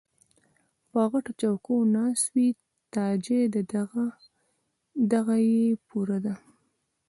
پۀ غټو چوکــــو ناست وي تاجه دغه یې پوره ده